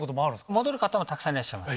戻る方もたくさんいらっしゃいます。